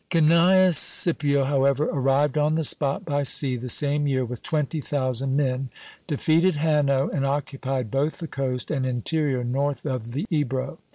Cnæus Scipio, however, arrived on the spot by sea the same year with twenty thousand men, defeated Hanno, and occupied both the coast and interior north of the Ebro.